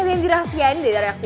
kayaknya dirahasiain deh dari aku